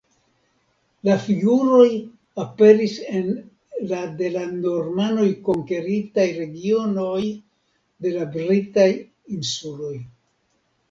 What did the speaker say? La figuroj aperis en la de la Normanoj konkeritaj regionoj de la Britaj Insuloj.